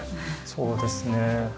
そうですね。